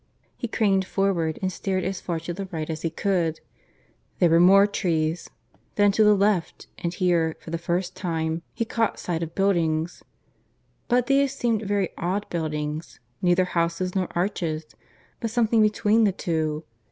He craned forward and stared as far to the right as he could. There were more trees. Then to the left; and here, for the first time, he caught sight of buildings. But these seemed very odd buildings neither houses nor arches but something between the two.